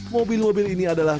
mobil mobil ini adalah